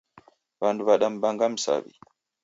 W'andu wadamw'anga msaw'i.